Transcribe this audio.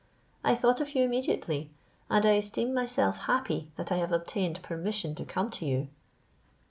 I thought of you immediately, and I esteem myself happy that I have obtained permission to come to you."